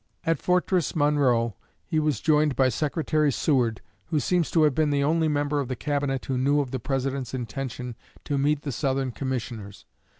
At Fortress Monroe he was joined by Secretary Seward, who seems to have been the only member of the Cabinet who knew of the President's intention to meet the Southern Commissioners.